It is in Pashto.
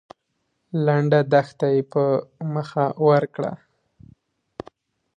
لنډه دښته يې په مخه ورکړه.